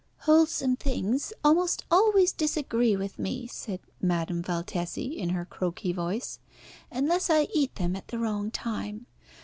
"Wholesome things almost always disagree with me," said Madame Valtesi, in her croaky voice, "unless I eat them at the wrong time.